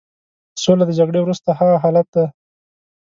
سوله د جګړې وروسته هغه حالت دی.